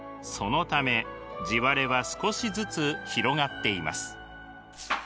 そのため地割れは少しずつ広がっています。